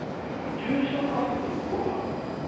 重症化するとどうなるんですか？